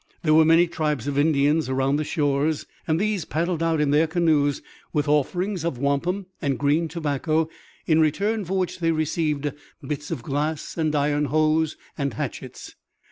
There were many tribes of Indians around the shores and these paddled out in their canoes with offerings of wampum and green tobacco in return for which they received bits of glass and iron hoes and hatchets.